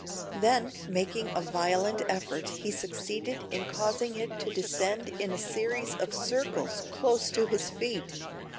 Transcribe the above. Then, making a violent effort, he succeeded in causing it to descend in a series of circles close to his feet!